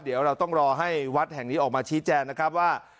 เดี๋ยวเราต้องรอให้วัดแห่งนี้ออกมาชี้แจงนะครับว่า